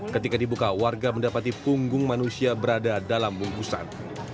ketika dibuka warga mendapati punggung manusia berada dalam bungkusan